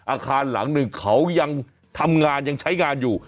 อาคารหลังหนึ่งเขายังทำงานยังใช้งานอยู่